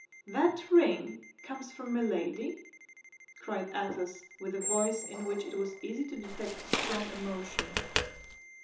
"That ring comes from Milady?" cried Athos, with a voice in which it was easy to detect strong emotion.